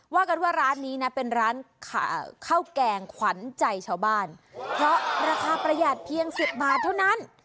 ว่ากันว่าร้านนี้นะเป็นร้านข้าวแกงขวัญใจชาวบ้านเพราะราคาประหยัดเพียง๑๐บาทเท่านั้น